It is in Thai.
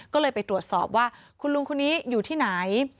ก็เลยไปตรวจสอบว่าคุณลุงคนนี้อยู่ที่ไหน